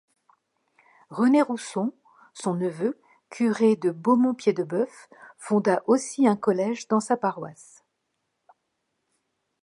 René Rousson, son neveu, curé de Beaumont-Pied-de-Bœuf, fonda aussi un collège dans sa paroisse.